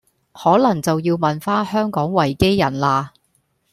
可能就要問返香港維基人喇